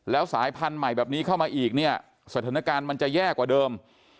แล้วสายพันธุ์ใหม่แบบนี้เข้ามาอีกเนี่ยสถานการณ์มันจะแย่กว่าเดิม